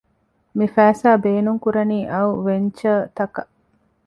މި ފައިސާ ބޭނުން ކުރަނީ އައު ވެންޗަރތަކަށް